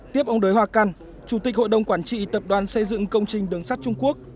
tiếp ông đới hoa căn chủ tịch hội đồng quản trị tập đoàn xây dựng công trình đường sắt trung quốc